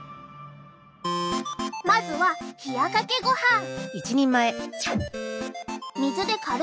まずは冷やかけごはん。